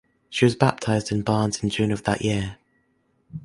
She was baptized in Barnes in June of that year.